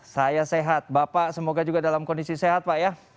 saya sehat bapak semoga juga dalam kondisi sehat pak ya